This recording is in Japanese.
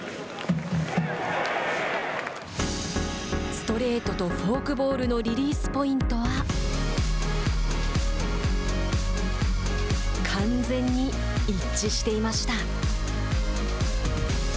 ストレートとフォークボールのリリースポイントは完全に一致していました。